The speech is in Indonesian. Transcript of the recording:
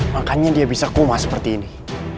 makanya dia bisa koma seperti ini